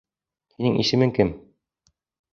Һинең исемең кем?